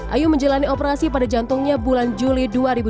ayu menjalani operasi pada jantungnya bulan juli dua ribu dua puluh